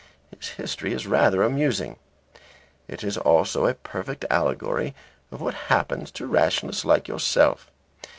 His history is rather amusing. It is also a perfect allegory of what happens to rationalists like yourself.